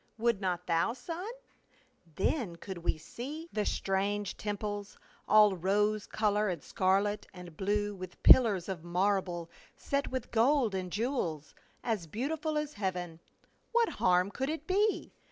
Would not thou, son ? Then could we see the stranjje tern 76 PAUL. pics, all rose color and scarlet and blue, with pillars of marble set with gold and jewels, as beautiful as heaven. What harm could it be